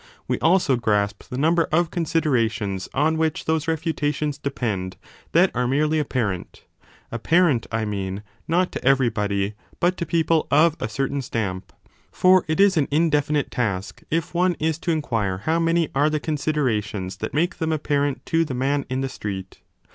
We also grasp the number of considerations on which those refutations depend, that are merely apparent apparent, I mean, not to everybody, but to people of a certain stamp ; for it is an indefinite task if one is to inquire how many are the considerations that make them apparent to the man in the street.